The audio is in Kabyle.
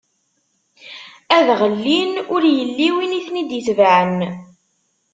Ad ɣellin ur illi win i ten-id-itebɛen.